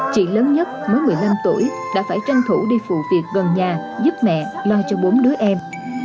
chị lớn nhất mới một mươi năm tuổi đã phải tranh thủ đi phụ việc gần nhà giúp mẹ loi cho bốn đứa em